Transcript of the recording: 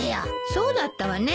そうだったわね。